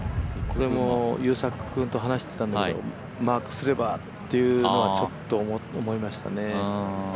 優作君と話してたんだけどマークすればっていうのはちょっと思いましたね。